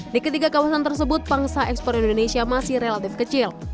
di ketiga kawasan tersebut pangsa ekspor indonesia masih relatif kecil